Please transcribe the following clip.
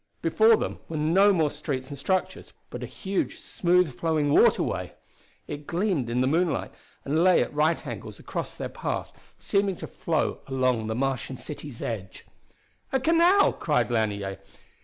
Before them were no more streets and structures, but a huge smooth flowing waterway! It gleamed in the moonlight and lay at right angles across their path, seeming to flow along the Martian city's edge. "A canal!" cried Lanier.